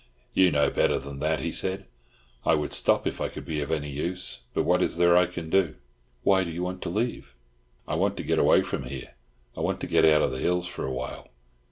"You know better than that," he said. "I would stop if I could be of any use, but what is there I can do?" "Why do you want to leave?" "I want to get away from here—I want to get out of the hills for awhile."